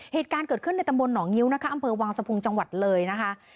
เหตุการณ์เกิดขึ้นในตำบลหนองงิ้วนะคะอำเภอวังสะพุงจังหวัดเลยนะคะ